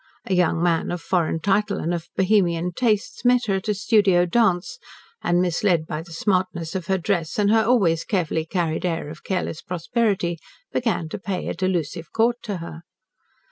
A young man of foreign title and of Bohemian tastes met her at a studio dance, and, misled by the smartness of her dress and her always carefully carried air of careless prosperity, began to pay a delusive court to her.